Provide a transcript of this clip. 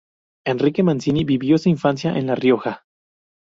Enrique Mancini vivió su infancia en La Rioja.